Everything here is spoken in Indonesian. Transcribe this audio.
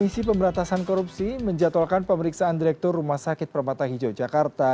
komisi pemberantasan korupsi menjatuhkan pemeriksaan direktur rumah sakit permata hijau jakarta